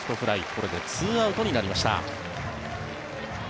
これで２アウトになりました。